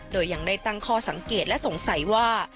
โดยยังได้ตั้งข้อสังเกตและสงสัยว่า